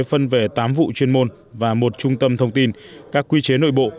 phân về tám vụ chuyên môn và một trung tâm thông tin các quy chế nội bộ